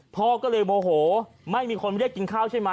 พ่อก็เลยโมโหไม่มีคนเรียกกินข้าวใช่ไหม